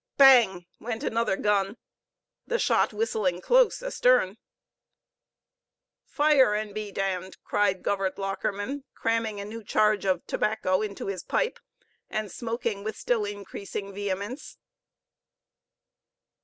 Bang! went another gun; the shot whistling close astern. "Fire, and be d d," cried Govert Lockerman, cramming a new charge of tobacco into his pipe, and smoking with still increasing vehemence.